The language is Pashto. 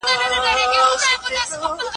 اسلام انسان ته د ژوند هدف ښيي.